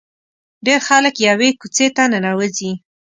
ډېر خلک یوې کوڅې ته ننوځي.